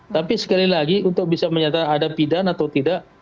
tapi sekali lagi untuk bisa menyatakan ada pidana atau tidak